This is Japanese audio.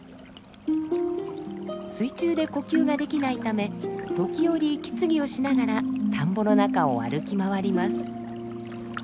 水中で呼吸ができないため時折息継ぎをしながら田んぼの中を歩き回ります。